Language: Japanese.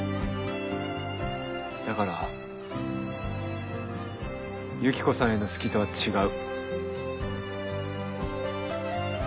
だからユキコさんへの「好き」とは違う。